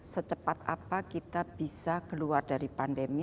secepat apa kita bisa keluar dari pandemi